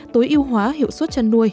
tối ưu hóa hiệu suất chăn nuôi